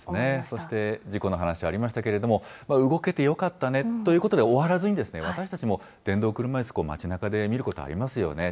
そして事故の話ありましたけれども、動けてよかったねということで終わらずに、私たちも電動車いす、町なかで見ることありますよね。